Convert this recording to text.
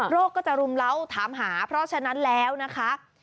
ก็จะรุมเล้าถามหาเพราะฉะนั้นแล้วนะคะ